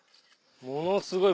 ものすごい